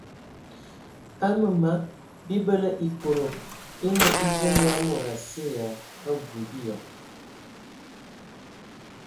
Aməmama bibələ ekodog e nə evom ya mod asye ya abui biyɔŋ.